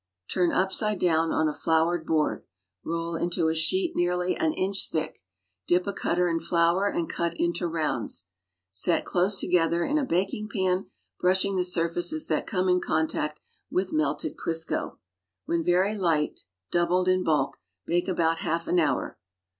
Turn upside down on a floured board. Roll into a sheet nearly an inch thick. Dip a cutter in flour and cut into rounds. Set close together in a baking pan, brushing the surfaces that come in contact with melted Crisco. ^Vhen very light (doubled in bulk) bake about half an hour.